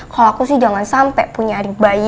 kalau aku sih jangan sampe punya hari bayi